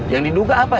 yang diduga apa